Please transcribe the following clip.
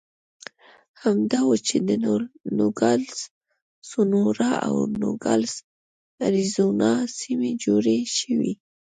همدا و چې د نوګالس سونورا او نوګالس اریزونا سیمې جوړې شوې.